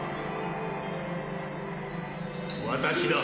私だ